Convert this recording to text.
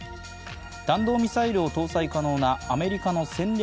弾道ミサイルを搭載可能なアメリカの戦略